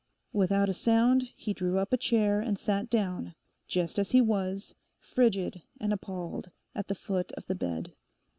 Without a sound he drew up a chair and sat down, just as he was, frigid and appalled, at the foot of the bed.